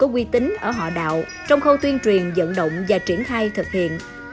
quy tính ở họ đạo trong khâu tuyên truyền dẫn động và triển khai thực hiện